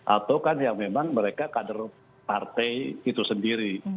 atau kan yang memang mereka kader partai itu sendiri